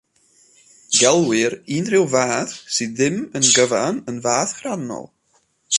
Gelwir unrhyw fath sydd ddim yn gyfan yn fath rhannol.